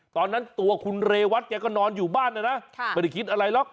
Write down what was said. ตอนนั้นตัวคุณเรวัตแกก็นอนอยู่บ้านนะนะไม่ได้คิดอะไรหรอก